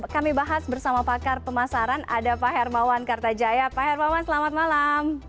kami bahas bersama pakar pemasaran ada pak hermawan kartajaya pak hermawan selamat malam